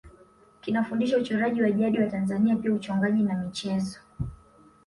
Kinafundisha uchoraji wa jadi wa Tanzania pia uchongaji na michezo